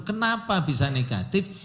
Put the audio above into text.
kenapa bisa negatif